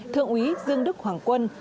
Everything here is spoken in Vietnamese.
thượng úy dương đức hoàng quân